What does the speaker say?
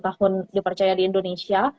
lima tahun dipercaya di indonesia